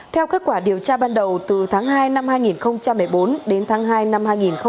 theo kết quả điều tra ban đầu từ tháng hai năm hai nghìn một mươi bốn đến tháng hai năm hai nghìn một mươi tám